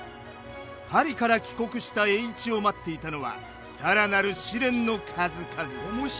パリから帰国した栄一を待っていたのは更なる試練の数々。